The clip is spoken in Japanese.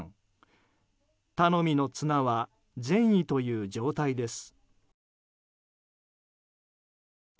頼みの綱は善意という状態です。